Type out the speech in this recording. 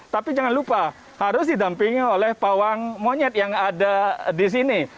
tapi jangan lupa harus didampingi oleh pawang monyet yang ada di sini